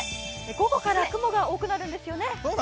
午後から雲が多くなるんですよね。